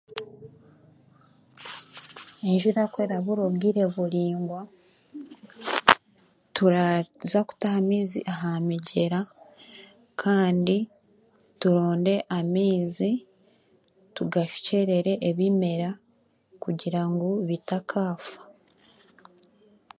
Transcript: Enjura ku erabura obwire buringwa turaaza kutaha amaizi aha migyera kandi turonde amaizi tugashukyerere ebimera kugira ngu bitakaafa